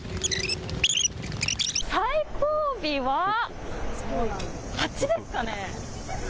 最後尾は、あっちですかね。